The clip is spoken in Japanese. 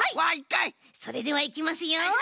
それではいきますよ。